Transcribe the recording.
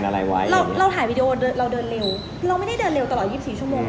เราไม่ได้เดินเร็วตลอด๒๔ชั่วโมงไง